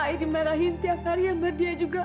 aku dimarahin tiap hari sama dia juga